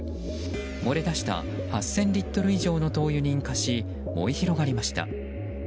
漏れ出した８０００リットル以上の灯油に引火し燃え広がりました。